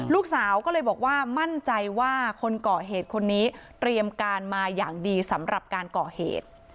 ลูกสาวก็เลยบอกว่ามั่นใจว่าคนก่อเหตุคนนี้เตรียมการมาอย่างดีสำหรับการก่อเหตุ